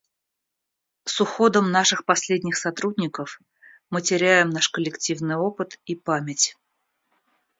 С уходом наших последних сотрудников мы теряем наш коллективный опыт и память.